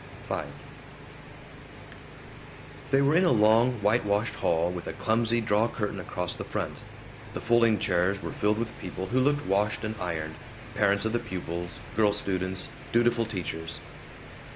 V They were in a long whitewashed hall with a clumsy draw curtain across the front. The folding chairs were filled with people who looked washed and ironed: parents of the pupils, girl students, dutiful teachers.